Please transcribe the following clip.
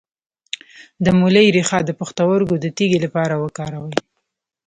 د مولی ریښه د پښتورګو د تیږې لپاره وکاروئ